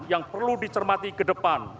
yang perlu dicermati ke depan